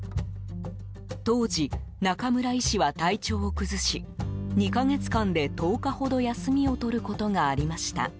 当時、中村医師は体調を崩し２か月間で、１０日ほど休みをとることがありました。